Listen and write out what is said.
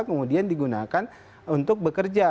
kemudian digunakan untuk bekerja